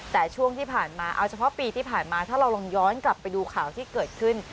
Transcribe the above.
แต่ช่วงที่ผ่านมาเอาเฉพาะปีที่ผ่านมาถ้าเราลองย้อนกลับไปดูข่าวที่เกิดขึ้น